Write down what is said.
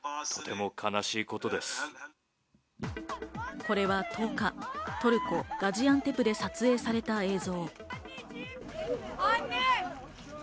これは１０日、トルコ・ガジアンテプで撮影された映像。